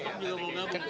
pada pengen gabung